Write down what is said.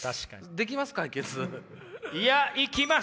できます？